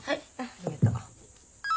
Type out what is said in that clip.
ありがと。